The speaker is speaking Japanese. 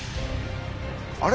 あれ？